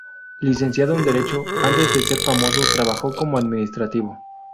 Licenciado en derecho, antes de ser famoso, trabajó como administrativo.